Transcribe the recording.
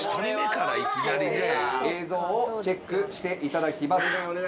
映像をチェックしていただきます。